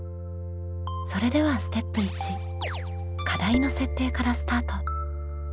それではステップ１課題の設定からスタート。